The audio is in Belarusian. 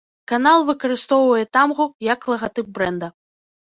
Канал выкарыстоўвае тамгу як лагатып брэнда.